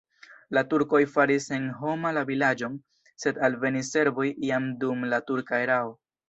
La turkoj faris senhoma la vilaĝon, sed alvenis serboj jam dum la turka erao.